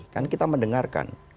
kan kita mendengarkan